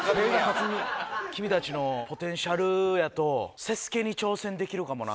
君たちのポテンシャルやとＳＥＳＵＫＥに挑戦できるかもな。